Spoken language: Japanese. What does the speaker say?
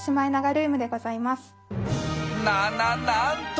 なななんと！